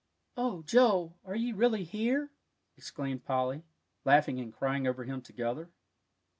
"Oh, Joel, are you really here?" exclaimed Polly, laughing and crying over him together.